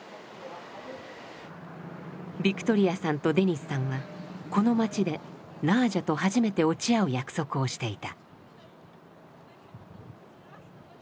ビクトリアさんとデニスさんはこの町でナージャと初めて落ち合う約束をしていた。